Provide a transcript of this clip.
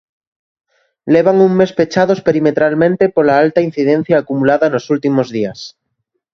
Levan un mes pechados perimetralmente pola alta incidencia acumulada nos últimos días.